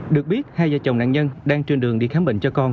được biết hai vợ chồng nạn nhân đang trên đường đi khám bệnh cho con